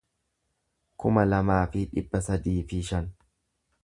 kuma lamaa fi dhibba sadii fi shan